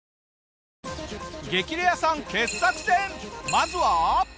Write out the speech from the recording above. まずは。